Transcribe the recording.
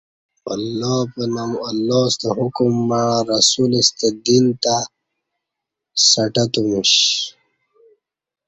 اللہ پنام اللہ ستہ حکم مع رسولہ ستہ دین تہ سہٹہ تمیش ۔